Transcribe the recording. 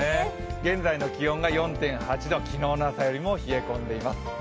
現在の気温が４．８度、昨日の朝よりも冷え込んでいます。